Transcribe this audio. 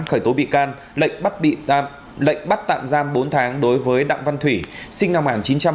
khởi tố bị can lệnh bắt tạm giam bốn tháng đối với đặng văn thủy sinh năm một nghìn chín trăm tám mươi